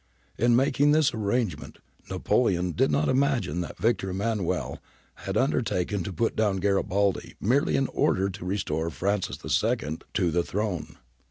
In making this arrangement Napoleon did not imagine that Victor Emmanuel had undertaken to put down Garibaldi merely in order to restore Francis II to the throne.